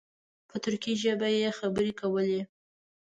په ترکي ژبه یې خبرې کولې.